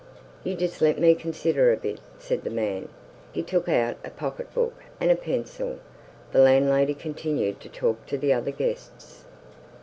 "You just let me consider a bit," said the man. He took out a pocket book and a pencil. The landlady continued to talk to the other guests.